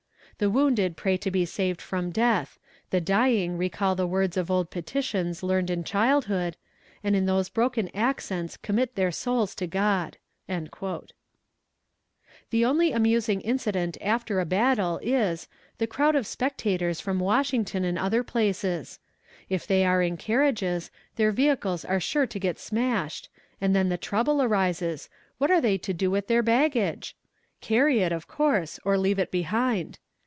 The wounded pray to be saved from death; the dying recall the words of old petitions learned in childhood, and in those broken accents commit their souls to God." The only amusing incident after a battle is, the crowd of spectators from Washington and other places. If they are in carriages, their vehicles are sure to get smashed, and then the trouble arises, what are they to do with their baggage? Carry it, of course, or leave it behind.